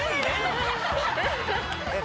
えっ！？